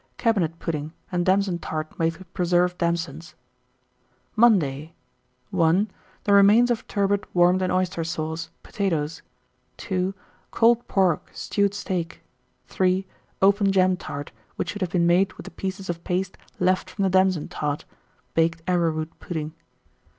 Cabinet pudding, and damson tart made with preserved damsons. 1896. Monday. 1. The remains of turbot warmed in oyster sauce, potatoes. 2. Cold pork, stewed steak. 3. Open jam tart, which should have been made with the pieces of paste left from the damson tart; baked arrowroot pudding.